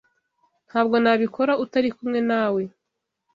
Ntabwo nabikora utari kumwe nawe.